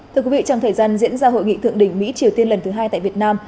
thưa quý vị trong thời gian diễn ra hội nghị thượng đỉnh mỹ triều tiên lần thứ hai tại việt nam